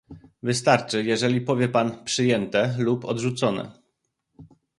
Wystarczy, jeżeli powie pan "przyjęte" lub "odrzucone"